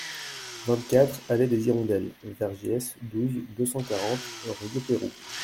vingt-quatre allée des Hirondelles / Vergiès, douze, deux cent quarante, Rieupeyroux